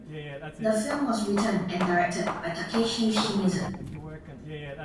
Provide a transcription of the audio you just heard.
The film was written and directed by Takashi Shimizu.